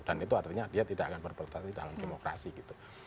dan itu artinya dia tidak akan berpercaya dalam demokrasi gitu